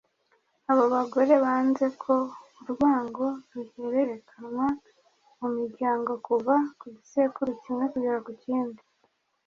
Abo bagore banze ko urwango ruhererekanywa mu miryango kuva ku gisekuru kimwe kugeza ku kindi